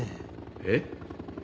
えっ？